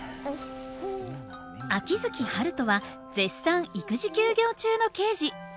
秋月春風は絶賛育児休業中の刑事。